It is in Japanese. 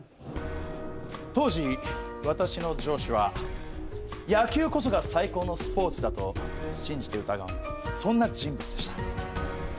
当時私の上司は野球こそが最高のスポーツだと信じて疑わないそんな人物でした。